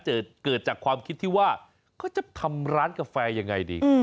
เกิดจากความคิดที่ว่าเขาจะทำร้านกาแฟยังไงดี